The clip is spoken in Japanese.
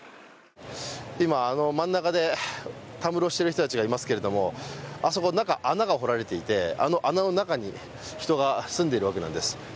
今、あの真ん中でたむろしている人たちがいますけどあそこ、中に穴が掘られていてあの穴の中に人が住んでいるわけなんです。